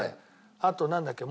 あとなんだっけ？